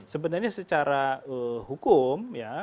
sebenarnya secara hukum ya